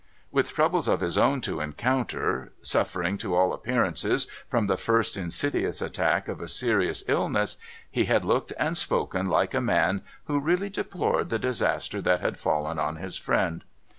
With troubles of his own to encounter, suftering, to all appearance, from the first insidious attack of a serious illness, he had looked and spoken like a man 534 NO THOROUGHFARE who really deplored the disaster that had fallen on his friend.